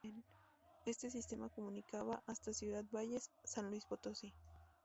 Este sistema comunicaba hasta Ciudad Valles, San Luis Potosí.